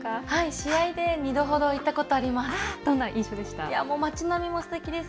試合で２度ほど行ったことあります。